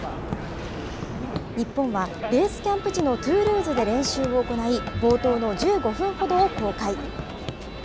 日本はベースキャンプ地のトゥールーズで練習を行い、冒頭の１５分ほどを公開。